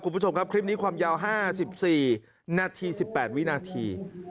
คุณผู้ชมครับคลิปนี้ความยาว๕๔นาที๑๘วินาที